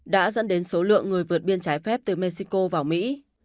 đã dẫn đến số lượng người vượt biên trái phép từ mexico vào mỹ